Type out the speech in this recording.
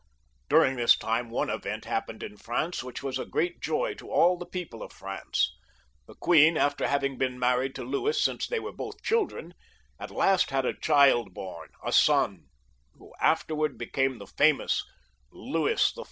During this time one ^vent happened in France which was jLgreat joy to all the people of France. The queen, after having been married to Louis since they were both children, at last had a child bom, a son, Who afterwards be came the famous Louis XIV.